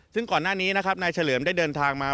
ซึ่งก่อนหน้านี้นะครับนายเฉลิมได้เดินทางมา